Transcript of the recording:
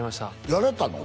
やれたの？